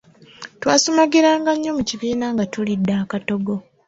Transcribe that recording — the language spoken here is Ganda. Twasumagiranga nnyo mu kibiina nga tulidde akatogo.